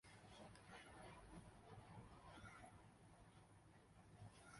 Microsoft Windows اب pre order کے لیے دستیاب ہے